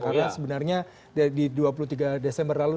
karena sebenarnya di dua puluh tiga desember lalu